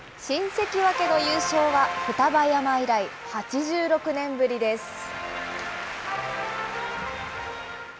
新関脇の優勝は双葉山以来、８６年ぶりです。